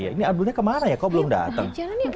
ini arbolnya kemana ya kok belum datang